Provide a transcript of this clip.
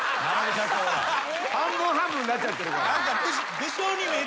半分半分なっちゃってるから。